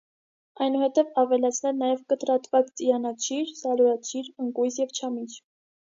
այնուհետև ավելացնել նաև կտրատված ծիրանաչիր, սալորաչիր, ընկույզ և չամիչ: